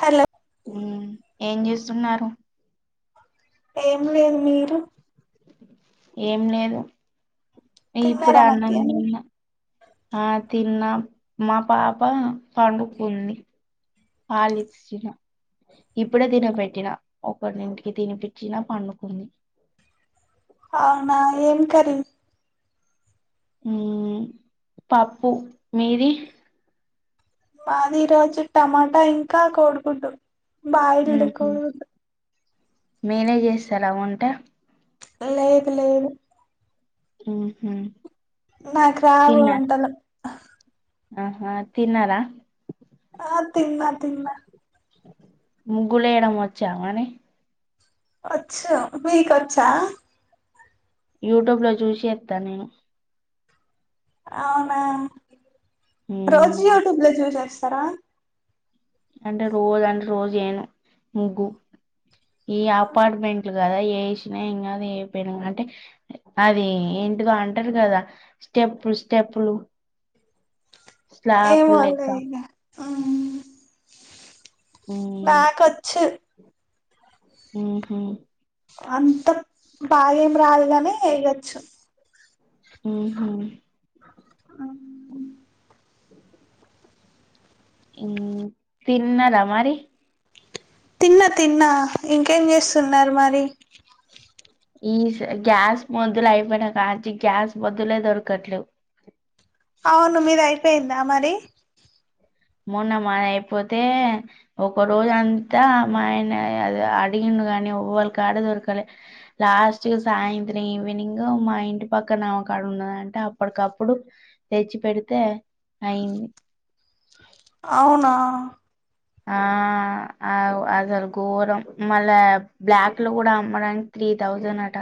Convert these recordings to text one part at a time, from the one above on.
Hello మ్ ఏం చేస్తున్నారు ఏం లేదు మీరు ఏం లేదు ఇప్పుడే తిన్నారా అన్నాం మధ్యాహ్నం తిన్న ఆ తిన్న మా పాప పండుకుంది పాలిచ్చిన ఇప్పుడే తినబెట్టినా ఒకనింటికి తినిపిచ్చినా పండుకుంది అవునా ఏం కర్రీ మ్ పప్పు మీది మాది ఈ రోజు టమాటా ఇంకా కోడి గుడ్డు బాయిల్డు కొడు గుడ్డు మిరే చేస్తారా వంట లేదు లేదు మ్ హు నాకు రావు వంటలు ఆహా తిన్నారా ఆ తిన్నా తిన్నా ముగ్గులేయడం వచ్చామని వచ్చు మీకోచ్చా యూట్యూబ్ లో చూసేస్తా నేను అవునా రోజు ఉమ్ యూట్యూబ్ లో చూసేస్తారా అంటే రోజు అంటే రోజు ఎయను ముగ్గు ఈ అపార్ట్మెంట్లు కదా ఎసినా ఏంకాదు ఎయ్యాక అయిపోయినా అంటే అది ఎంటిదో అంటారు కదా స్టెప్పులు స్టెప్పులు స్లాపులు లెక్క ఎమొలే ఇగ నాకోచ్చు మ్ హు అంత బాగేమ్ రాదు గాని ఎయ్యోచ్చు మ్ హు ఇం తిన్నార మరి తిన్నా తిన్నా ఇంకేం చేస్తున్నారు మరి ఈ గ్యాస్ మొద్దులు అయిపోయినా కంచి గ్యాస్ మొద్దులే దొరకట్లేవ్ అవును మీది అయిపోయిందా మరి మొన్న మాయి అయిపోతే ఒక రోజ అంతా మా ఆయన అది అడిగిన ఎవలు కాడ దొరకాలే లాస్ట్ సాయంత్రం ఈవనింగ్ మా ఇంటి పక్కన కాడ ఉన్నదంట అప్పటికప్పుడు తెచ్చి పెడితే అయింది అవునా ఆ ఆ అసలు ఘోరం మళ్ళా బ్లాక్ల గుడా అమ్మడానికి త్రీ థౌసండ్ అట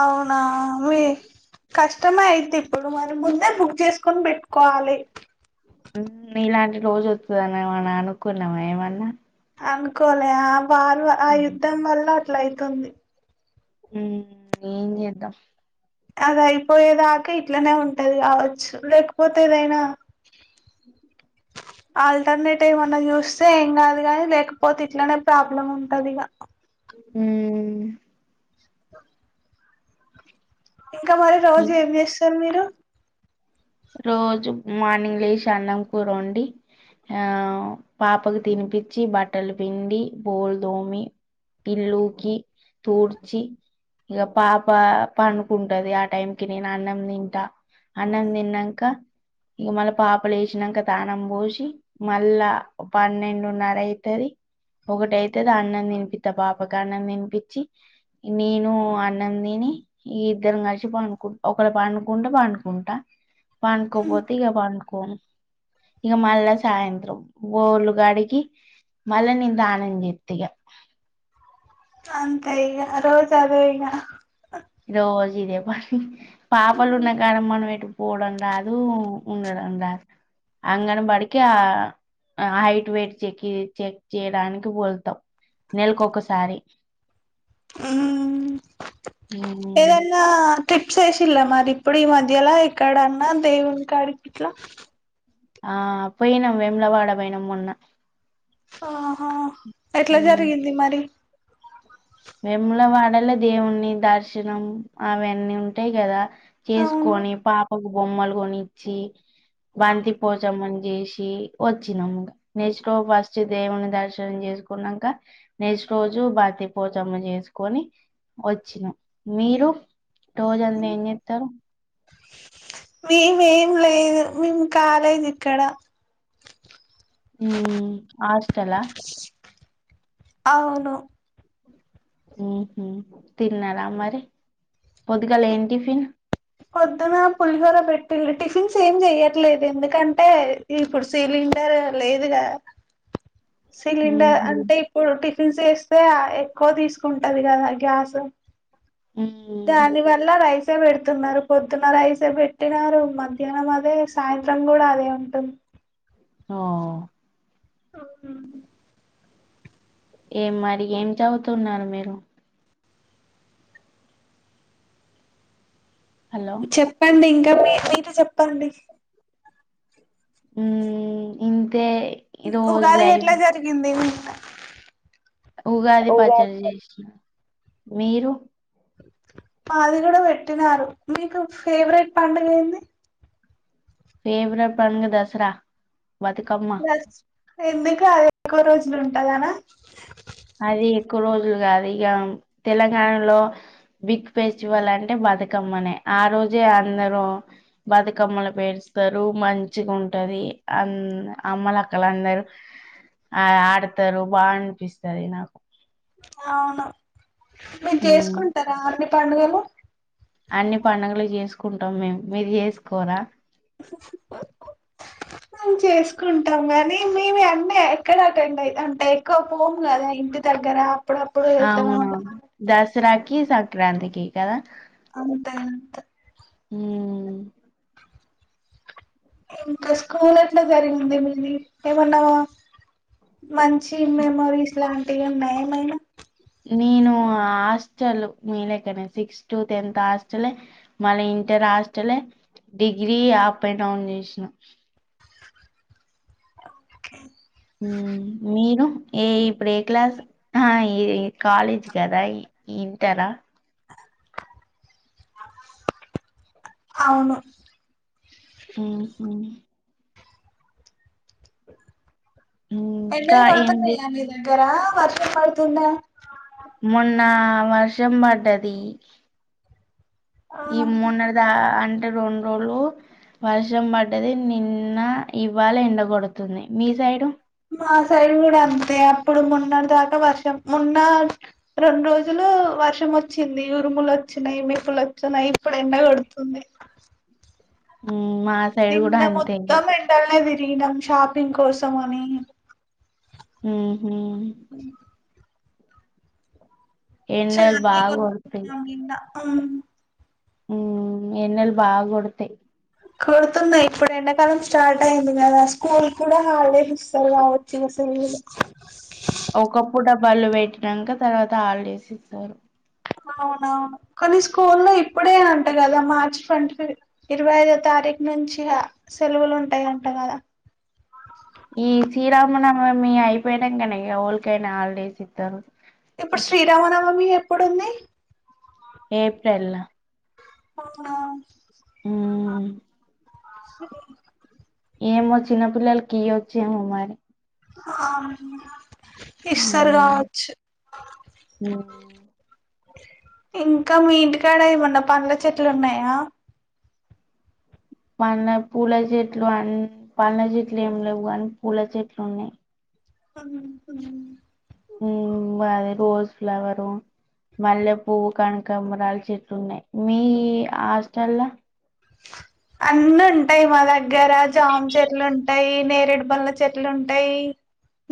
అవునా మీ కష్టమే అయితె ఇప్పుడు మరి ముందే బుక్ చేసుకొని పెట్టుకోవాలి నీలాంటి రోజు వస్తదని ఏమనా అనుకున్నావా ఏమన్నా అనుకోలే ఆ వారు ఆ హ్మ్. యుద్ధం వల్ల అట్ల అయితుంది ఉ ఎం చేద్దాం అది అయిపోయేదాకా ఇట్లనే ఉంటది కావచ్చు లేకపోతే ఏదైనా ఆల్టర్నెట్గా ఎమన్నా చూస్తే ఏం కాదు కానీ లేకపోతే ఇట్లనే ప్రాబ్లం ఉంటది ఇగ ఉ ఇంకా మరి రోజు హ్మ్. ఏం చేస్తారు మీరు రోజు మార్నింగ్ లేసి అన్నం కూర వొండి ఆ పాపకు తినిపిచ్చి బట్టలు పిండి బోల్ దోమి యిల్లూకి తూర్చి ఇగ పాప పనుకుంటది ఆ టైం కి నేను అన్నం తింటా అన్నం తిన్న ఇగ మళ్ళ పాప లేచినంకా దానం పోసి మళ్ళా పన్నెండున్నర అయితది ఒకటైతది అన్నం తినిపిస్తత్త పాపకి అన్నం తినిపించి నేను అన్నం తిని ఇద్దరం కలిసి పండుకు ఒకళ పండుకుంటే పండుకుంటా పనుకోపోతే ఇగ పడుకోను ఇక మళ్ళా సాయంత్రం బొల్లుగడిగి మళ నిదానం జెత్తిగా అంతే ఇగ రోజు అదె ఇగ రోజు ఇదే పని పాపలు ఉన్నా కాడమ్మన్ వెటు పోవడం రాదు ఉండడం రాదు అంగన బడికి ఆ హైట్ వయిట్ చె చెక్ చేయడానికి వొల్తాం నెలకొకసారి ఉమ్ మ్మ్ ఏదన్నా ట్రిప్స్ వేసిలా మరి ఇప్పుడు ఈ మధ్యలా ఎక్కడన్నా దేవుని కాడికిట్లా ఆ పోయినాం వెేమ్లవాడ పోయినం మొన్న ఆహా ఎట్లా జరిగింది మరి వెముల వాడలా దేవుని దర్శనం అవన్నీ ఉంటాయి గదా అవును చేసుకొని పాపకు బొమ్మలు గొనిచ్చి బంతి పోచమని చేసి వచ్చినము నేచుకో ఫస్ట్ దేవుని దర్శనం జెసి తీకునంకా నెక్స్ట్ రోజు బత పోచమ్మ చేసుకొని వచ్చినం మీరు రోజ అంత ఏం చెత్తరు మేమేం లేదు మేం కాలేజి ఇక్కడ ఉమ్ హాస్టల్ హ అవును తిన్నారా మరి పొద్దుగాల ఏం టిఫిన్ పొద్దున పులిహోర పెట్టిన్రు టిఫిన్స్ ఏం చెయట్లేదు ఎందుకంటే ఇప్పుడు సిలిండర్ లేదు గదా సిలిండర్ మ్మ్హ్ అంటే ఇప్పుడు పిల్స్ చేస్తే ఆ ఎక్కువ తీస్కుంటది కదా గ్యాస్ మ్మ్ దానివల్ల రైసే పెడుత్ తున్నరు పొద్దున్న రైసే పెట్టినారు మధ్యాహ్నం అదే సాయంత్రం కూడా అదే ఉంటుం ఆ ఆ ఏం మరి ఏం చవుతున్నారు మీరు హలో చెప్పండి ఇంకా మీ మీరు చెప్పండి ఊ ఇం ఉగాది ఎట్లా జరిగింది మోన్న ఉగాది పచ్చడి జేష్న మీరు మాది కూడ పెట్టినారు మీకు ఫేవరెట్ పండుగేంది ఫేవ్ర పండుగ దసరా బతుకమ్మ దస్ ఎందుకు అదెక్వ రోజ్లుంటదనా అది ఎక్కువ రోజులు కాదు ఇగ తెలంగాణలో బిగ్ ఫెస్టివల్ అంటే బతుకమ్మనే ఆ రోజే అందరూ బతుకమ్మల పేరుస్ తరు మంచిగుంటది అన్ అమ్మలక్కలందరు ఆ ఆడ్తరు బా అన్పిస్తది నాకు అవును ఉమ్. మీర్జేస్కుంటారా అన్ని పండుగలు అన్ని పండుగలు జేస్కుంటాం మేము మీరు జేస్కోరా మేం చేస్కుంటాం కానీ మేము అన్నీ ఎక్కడ అటెండ్ అయి అంటే ఎక్కువ పోము గదా ఇంటి ద దగ్గరా అవునవును దస్రాకిీ సంక్రాంతీకీ కదా అంతే అంతే ఊ ఇంకా స్కూలెట్లా జరిగింది మీది ఏమన్నావా మంచి మెమొరీస్ లాంటివి ఉన్నాయ ఏమైనా నేను హాస్టల్ మీ లెక్కనే సిక్స్ టు టెన్త్ హాస్టలే మళ్ళీ ఇంటర్ హాష్టలే డిగ్రీ ఆప్ అండ్ డౌన్ జేష్న పిల్లలా మ్మ్ సాల మీరు ఏ ఇప్పుడే క్లాస్ హా ఈ కాలేజ్ కదా ఇంటరా అవును ఉ హు ఇంకా ఎండలు ఏం చే కొడ్తున్నాయా మీ దగ్గరా వర్షం పడ్తుందా మొన్నా వర్షం పడ్డది ఆ ఈ మొన్న దా అంటే రెండ్రోలు వర్షం పడ్డది నిన్న ఇవాల ఎండగొడ్తుంది మీ సైడు మా సైడ్ కూడా అంతే అప్పుడు మోన్నడ్దాకా వర్షం మొన్న రెండ్రోజులు వర్షమోచ్చింది ఉరుములు వచ్చినై మెర్పులొచ్చినై ఇప్పుడెండ కొడుతుంది మ్ నిన్న మొత్తం ఎండల్నే ది దిగినం షాపింగ్ కోసమనీ మ్మ్ హ్మ్ ఎండలు చాలానే బాగా కొనుకున్నాం నిన్న మ్ ఉ ఎండలు బాగొడుతై కొడుతున్నై ఇప్పుడు ఎండాకాలం స్టార్టైంది గదా స్కూల్కూడా హాలిడేస్ ఇస్తారు గావొచ్చు ఇంగ సె లువులు ఒక పూట బళ్ళు పెట్టినంకా తర్వాత హాల్డేస్ ఇస్సారు అవ్నవును కొన్ని స్కూల్లో ఇప్పుడే అంట కదా మార్చ్ ట్వంటీి ఇరవైదో తారీ యట్ నుంచి సెలవులుంటాయంట కదా ఈ శ్రీరామనవమి అయిపోయినంకనే గద ఓల్కేయ్నా హాలిడేస్ ఇత్తరు ఇప్పుడు శ్రీరామనవమి ఎప్పుడుంది ఏప్రల్ల అవ్నా ఉ ఏమో చిన్న పిల్లలకి ఇయోచ్చేమో మరి ఆవ్నా ఇస్తరు ఉమ్ గావచ్చు ఉమ్ ఇంకా మీ ఇంటికాడేమన్నా పండ్ల చెట్లున్నాయా పండ్ల పూల చెట్లు అన్ పండ్ల చెట్లేం లేవు కానీ పూల చెట్లున్నాయి హం హం ఉమ్ అదే రోస్ ఫ్లవరు మళ్ళె పువ్వు కనకబంరాలు చెట్లున్నాయి మీ హాస్టల్లా అన్నుంటాయ్ మా దగ్గర జామ్ చెట్లుంటాయ్ నేరేడు పండ్ల చెట్లుంటాయ్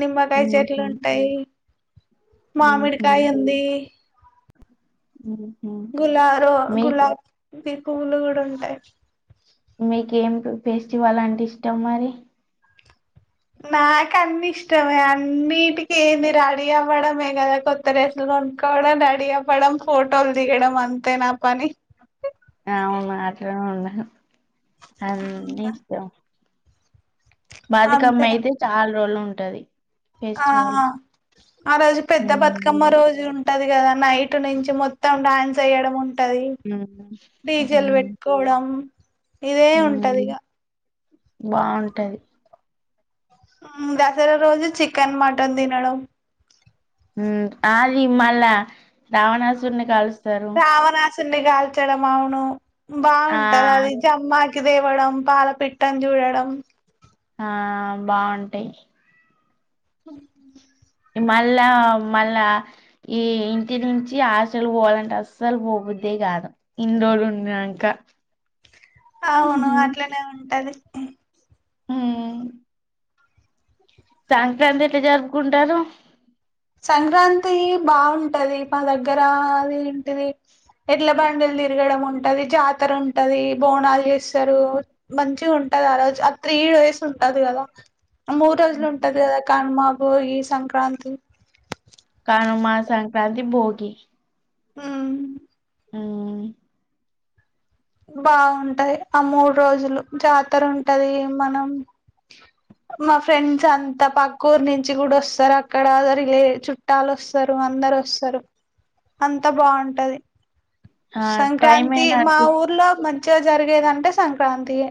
నిమ్మకాయ ఉహు చెట్లుంటాయ్ మామిడికాయుంది ఉమ్ గులా రో గులాబీ పువ్వులు కూడా ఉంటాయి మీకేం ఫేస్టివలంటే ఇష్టం మరి నాకన్ని ఇష్టమే అన్నిటికి ఏంది రడీ అవ్వడమే కదా కొత్త డ్రెస్సులు కొనుకోవడం రడి అవ్వడం ఫోటోలు దిగడం అంతే నా పని అవ్నా అట్లనే ఉండాలి అన్ నీ ఇష్టం బాతుకమ్మ అంతే అయితే చాలా రోజులుంటది ఆ ఆ రోజు పెద్ద ఉమ్, బతుకమ్మ రోజుం ఉంటది కదా నైట్నుంచి మొత్తం డాన్సేయడం ఉంటది ఉమ్, డీజెల్ ఉమ్, పెట్టుకోవడం ఇదే ఉంటదిగ ఉమ్, బాగుంటది దసరా రోజు చికెన్ మటన్ దినడం ఉమ్ ఆది మళ్ళా రావణాసుర్ని కలుస్ రావణాసున్నీ గాల్చడం అవును ఆ బాగుంటది అది జమ్మా కి తేవడం పాలపిట్టన్జూడడం ఆ బాగుంటయ్ హహ్ మళ్ళా మళ్ళా ఈ ఇంటి నుంచి హాస్టల్ పోవాలంటే అస్సలు పోబుద్దే కాదు ఇండ్రోళ్లునంక అవ్ను అట్లనే ఉంటది ఉ సంక్రాంతి ఎట్లా జర్పుకుంటారు సంక్రాంతి బాగుంటది మా దగ్గర అదేంటిది ఎడ్లబండి తిరగడం ఉంటది జాతరుంటంది బోనాలు చేస్తారు మంచిగుంటది ఆ రోజు ఆ త్రీ త్రీ డేస్ ఉంటది కదా మూడ్రోజులు ఉంటది కదా కన్మా భోగి సంక్రాంతి కనుమా సంక్రాంతి భోగి ఊ మ్ ఊ మ్ బాగుంటది ఆ మూడురోజులు జాతరుంటది మనం మా ఫ్రెండ్స్ అంతా పక్కూరు నుంచి కూడా ఓస్తారు అక్కడ జరిగే చుట్టాలు వస్తారు అ అందరు ఓస్తరు అంత బాగుంటది ఆ టైం సంక్రాంతి మా అయినట్టు ఊరు లో మంచిగా జరిగేదంటే సంక్రాంతి ఏ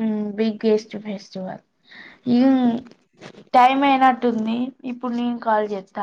హ్మ్ బిగేస్ట్ ఫెస్టివల్ ఇ ఉమ్ టైమ్ అయినట్టుంది ఇప్పుడు నేను కాల్ చెత్త